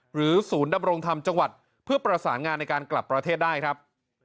ศูนย์ดำรงธรรมจังหวัดเพื่อประสานงานในการกลับประเทศได้ครับ